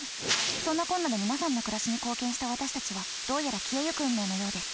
そんなこんなで皆さんの暮らしに貢献した私たちはどうやら消えゆく運命のようです。